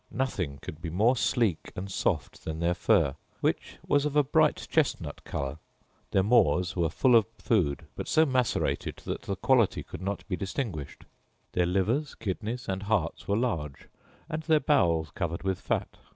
Nothing could be more sleek and soft than their fur, which was of a bright chestnut colour; their maws were full of food, but so macerated that the quality could not be distinguished; their livers, kidneys, and hearts were large, and their bowels covered with fat.